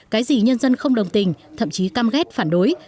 cái gì nhân dân không đồng tình thậm chí cam ghét phản đối